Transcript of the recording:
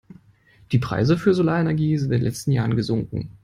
Die Preise für Solarenergie sind in den letzten Jahren gesunken.